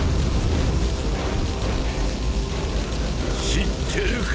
知ってるか？